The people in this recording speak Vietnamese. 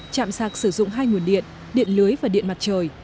chạm sạc sử dụng hai nguồn điện điện lưới và điện mặt trời